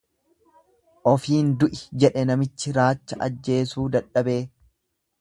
Ofiin du'i jedhe namichi raacha ajjeesuu dadhabee.